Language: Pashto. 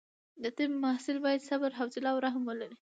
د طب محصل باید صبر، حوصله او رحم ولري.